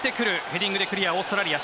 ヘディングでクリアオーストラリア。